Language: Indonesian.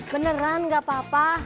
beneran gak apa apa